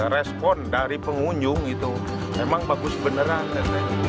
respon dari pengunjung itu memang bagus beneran nenek